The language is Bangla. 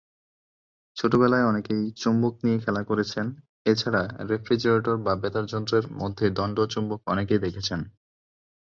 ছোটবেলায় অনেকেই চুম্বক নিয়ে খেলা করেছেন, এছাড়া রেফ্রিজারেটর বা বেতার যন্ত্রের মধ্যে দণ্ড চুম্বক অনেকেই দেখেছেন।